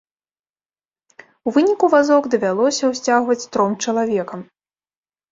У выніку вазок давялося ўсцягваць тром чалавекам.